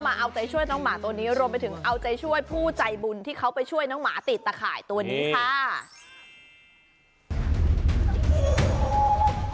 เอาใจช่วยน้องหมาตัวนี้รวมไปถึงเอาใจช่วยผู้ใจบุญที่เขาไปช่วยน้องหมาติดตะข่ายตัวนี้ค่ะ